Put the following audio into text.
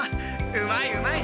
うまいうまい！